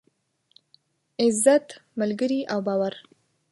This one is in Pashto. عزت، ملگري او باور.